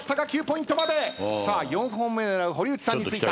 さあ４本目狙う堀内さんについた。